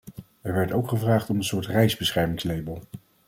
Er werd ook gevraagd om een soort reisbeschermingslabel.